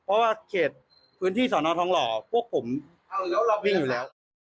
เพราะว่าเขตพื้นที่สอนอทองหล่อพวกผมวิ่งอยู่แล้ว